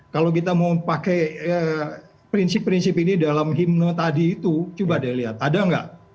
kalau kita mau pakai prinsip prinsip ini dalam himno tadi itu coba deh lihat ada nggak